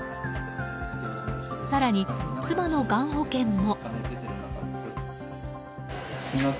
更に、妻のがん保険も。